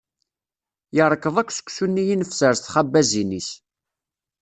Yerkeḍ akk seksu-nni i nefser s txabbazin-is.